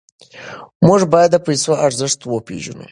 موږ باید د پیسو ارزښت وپېژنو.